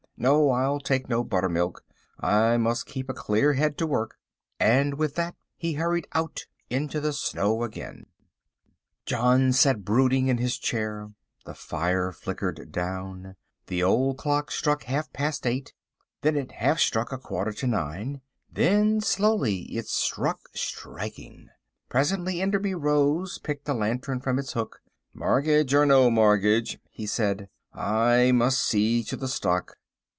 No, I'll take no buttermilk, I must keep a clear head to work," and with that he hurried out into the snow again. Illustration: "No, I'll take no buttermilk, I must keep a clear head to work" John sat brooding in his chair. The fire flickered down. The old clock struck half past eight, then it half struck a quarter to nine, then slowly it struck striking. Presently Enderby rose, picked a lantern from its hook, "Mortgage or no mortgage," he said, "I must see to the stock."